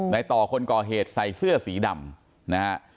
ต่อคนก่อเหตุใส่เสื้อสีดำนะฮะ